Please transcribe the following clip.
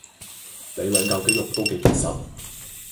你兩舊肌肉都幾結實